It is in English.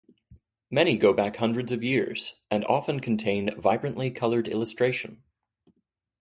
Many go back hundreds of years and often contain vibrantly colored illustration.